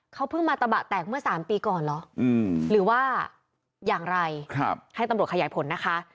เขาเพิ่งมาตะบะแตกเมื่อ๓ปีก่อนเหรอหรือว่าอย่างไรให้ตำรวจขยายผลนะคะ